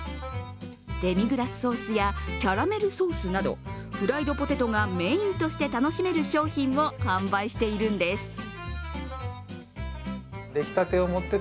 デミグラスソースやキャラメルソースなど、フライドポテトがメインとして楽しめる商品を販売しているんです。